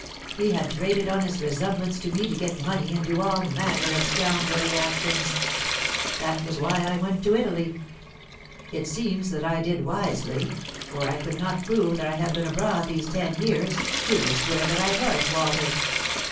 He had traded on his resemblance to me to get money and do all manner of scoundrelly actions. That was why I went to Italy. It seems that I did wisely, for if I could not prove that I have been abroad these ten years, you would swear that I was Walter."